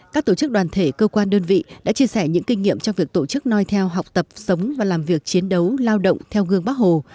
các tổ chức đoàn thể cơ quan đơn vị đã chia sẻ những kinh nghiệm trong việc tổ chức noi theo học tập sống và làm việc chiến đấu lao động theo gương bắc hồ